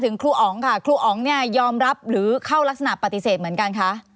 ครูอ๋องค่ะครูอ๋องเนี่ยยอมรับหรือเข้ารักษณะปฏิเสธเหมือนกันคะ